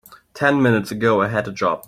Ten minutes ago I had a job.